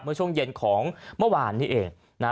เมื่อช่วงเย็นของเมื่อวานนี้เอง